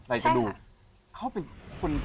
กระดูกเขาเป็นคน